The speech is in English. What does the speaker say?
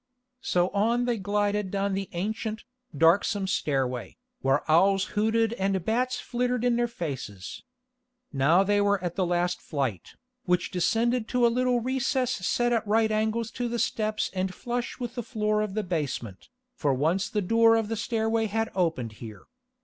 So on they glided down the ancient, darksome stairway, where owls hooted and bats flittered in their faces. Now they were at the last flight, which descended to a little recess set at right angles to the steps and flush with the floor of the basement, for once the door of the stairway had opened here.